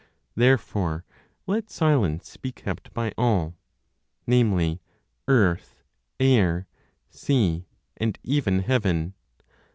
Therefore let silence be kept by all namely, earth, air, sea, and even heaven.